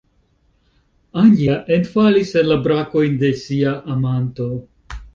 Anja enfalis en la brakojn de sia amanto!